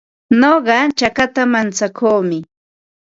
Nuqa chakata mantsakuumi.